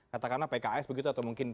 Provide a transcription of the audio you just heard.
katakanlah pks begitu atau mungkin